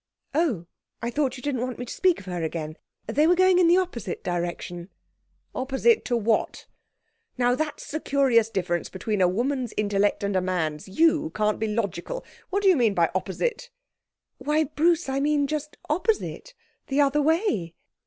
'Oh, I thought you didn't want me to speak of her again. They were going in the opposite direction.' 'Opposite to what? Now that's the curious difference between a woman's intellect and a man's. You can't be logical! What do you mean by "opposite"?'. 'Why, Bruce, I mean just opposite. The other way.'